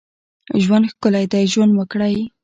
ژوند ښکلی دی ، ژوند وکړئ